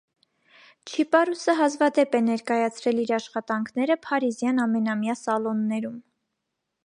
Չիպարուսը հազվադեպ է ներկայացրել իր աշխատանքները փարիզյան ամենամյա սալոններում։